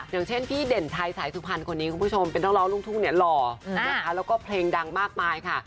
อย่างเช่นพี่เด่นชัยสายสุพรรณคนนี้คุณผู้ชมเป็นนักร้องลูกทุ่งเนี่ยหล่อนะคะแล้วก็เพลงดังมากมายค่ะ